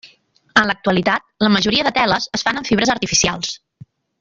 En l'actualitat la majoria de teles es fan amb fibres artificials.